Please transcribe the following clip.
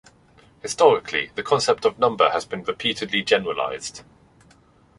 Historically, the concept of number has been repeatedly generalized.